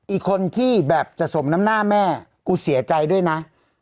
อีกคนที่แบบจะสมน้ำหน้าแม่กูเสียใจด้วยนะ